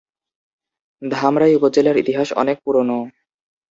ধামরাই উপজেলার ইতিহাস অনেক পুরোনো।